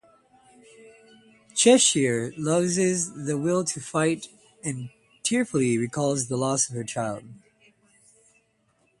Cheshire loses the will to fight and tearfully recalls the loss of her child.